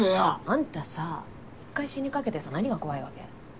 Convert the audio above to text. あんたさ一回死にかけてさ何が怖いわけ？